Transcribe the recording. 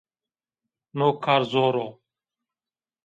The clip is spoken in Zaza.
No kar zor o